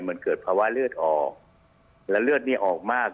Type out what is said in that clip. เหมือนเกิดภาวะเลือดออกและเลือดนี้ออกมาก